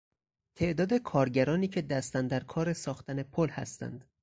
تعداد کارگرانی که دست اندرکار ساختن پل هستند